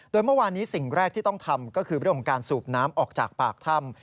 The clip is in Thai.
โดยเมื่อวานนี้สิ่งแรกที่ต้องทำก็คือเรื่องของการสูบน้ำออกจากปากถ้ำ